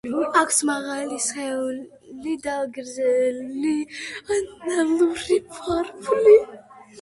აქვს მაღალი სხეული და გრძელი ანალური ფარფლი.